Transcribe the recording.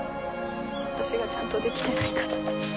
私がちゃんとできてないから。